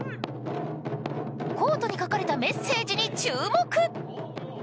コートに書かれたメッセージに注目！